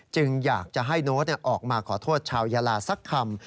อยากจะให้โน้ตออกมาขอโทษชาวยาลาสักคำ